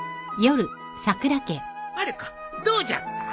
まる子どうじゃった？